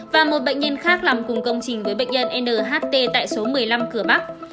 và một bệnh nhân khác làm cùng công trình với bệnh nhân nht tại số một mươi năm cửa bắc